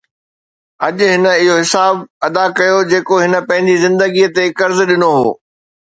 اڄ هن اهو حساب ادا ڪيو جيڪو هن پنهنجي زندگي تي قرض ڏنو هو